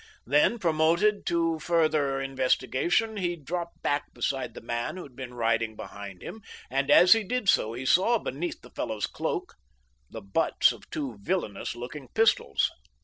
Then, prompted to further investigation, he dropped back beside the man who had been riding behind him, and as he did so he saw beneath the fellow's cloak the butts of two villainous looking pistols.